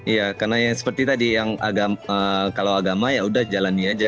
iya karena yang seperti tadi yang agama kalau agama ya udah jalani aja